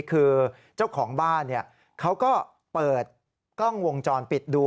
คือเจ้าของบ้านเขาก็เปิดกล้องวงจรปิดดู